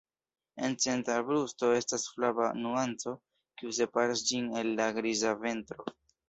En centra brusto estas flava nuanco kiu separas ĝin el la griza ventro.